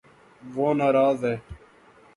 وہ نا راض ہے